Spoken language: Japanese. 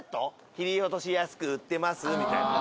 「切り落とし安く売ってます」みたいな。